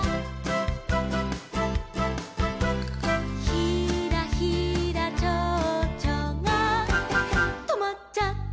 「ひらひらちょうちょがとまっちゃった」